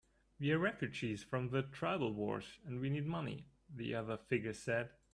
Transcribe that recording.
"We're refugees from the tribal wars, and we need money," the other figure said.